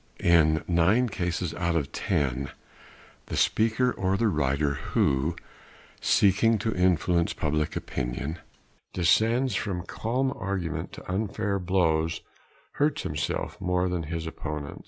In nine cases out of ten the speaker or the writer who, seeking to influence public opinion, descends from calm argument to unfair blows hurts himself more than his opponent.